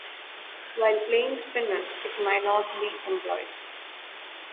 While playing spinners, it might not be employed.